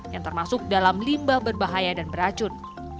yang termasuk dalam limbah berbahaya dan beracun